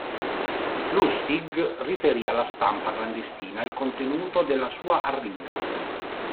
Lustig riferì alla stampa clandestina il contenuto della sua arringa.